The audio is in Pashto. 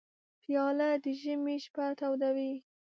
پیاله د ژمي شپه تودوي.